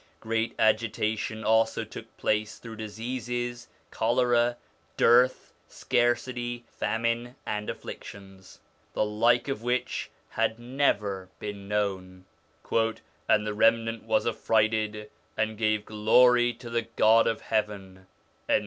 Great agitation also took place through diseases, cholera, dearth, scarcity, famine, and afflictions, the like of which had never been known. ' And the remnant was affrighted and gave glory to the God of heaven.'